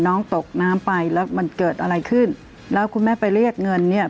น้องตกน้ำไปแล้วมันเกิดอะไรขึ้นแล้วคุณแม่ไปเรียกเงินเนี่ย